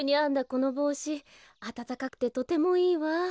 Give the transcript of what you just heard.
このぼうしあたたかくてとてもいいわ。